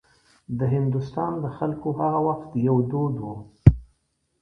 د هندوستان د خلکو هغه وخت یو دود و.